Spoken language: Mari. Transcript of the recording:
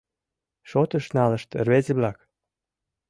Шотыш налышт рвезе-влак!